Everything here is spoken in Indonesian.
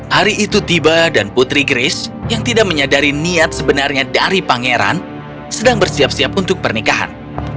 hari itu tiba dan putri grace yang tidak menyadari niat sebenarnya dari pangeran sedang bersiap siap untuk pernikahan